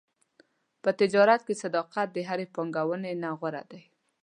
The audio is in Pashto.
په تجارت کې صداقت د هرې پانګونې نه غوره دی.